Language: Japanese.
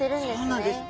そうなんです。